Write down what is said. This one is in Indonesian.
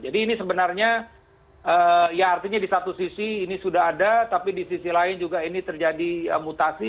jadi ini sebenarnya ya artinya di satu sisi ini sudah ada tapi di sisi lain juga ini terjadi mutasi